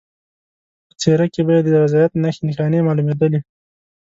په څېره کې به یې د رضایت نښې نښانې معلومېدلې.